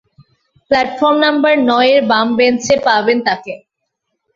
Platform number নয়-এর বাম বেঞ্চে পাবে তাকে।